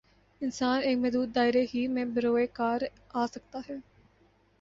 انسان ایک محدود دائرے ہی میں بروئے کار آ سکتا ہے۔